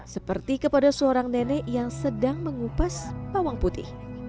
seperti kepada seorang nenek yang sedang mengupas bawang putih